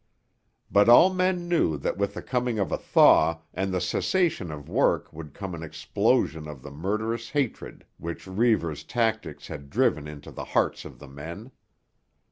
But all men knew that with the coming of a thaw and the cessation of work would come an explosion of the murderous hatred which Reivers' tactics had driven into the hearts of the men.